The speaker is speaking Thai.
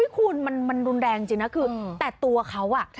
คุณมันรุนแรงจริงนะคือแต่ตัวเขา